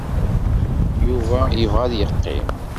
Yuba yebɣa ad yeqqim.